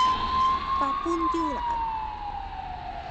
百般刁難